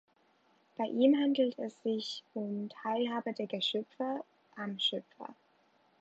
Bei ihm handelt es sich um Teilhabe der Geschöpfe am Schöpfer.